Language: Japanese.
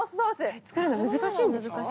作るの難しいんでしょ？